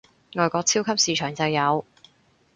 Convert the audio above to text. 外國超級市場就有